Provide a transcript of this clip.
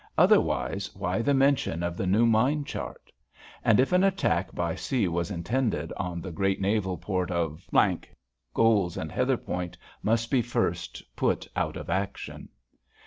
Otherwise why the mention of the new mine chart? And if an attack by sea was intended on the great naval port of ... Scoles and Heatherpoint must be first put out of action.